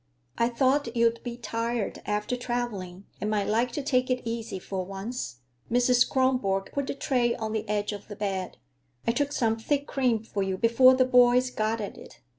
"I thought you'd be tired, after traveling, and might like to take it easy for once." Mrs. Kronborg put the tray on the edge of the bed. "I took some thick cream for you before the boys got at it.